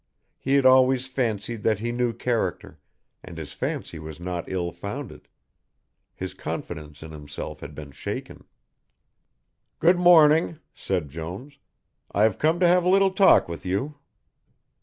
He had always fancied that he knew character, and his fancy was not ill founded. His confidence in himself had been shaken. "Good morning," said Jones. "I have come to have a little talk with you."